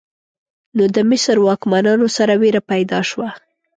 نو د مصر واکمنانو سره ویره پیدا شوه.